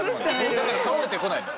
だから倒れてこないの。